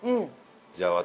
じゃあ私